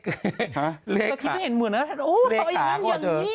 คุณแม่เห็นเหมือนน่ะโอ้ยอย่างนี้